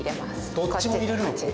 どっちも入れるの？